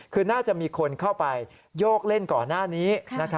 คือน่าจะมีคนเข้าไปโยกเล่นก่อนหน้านี้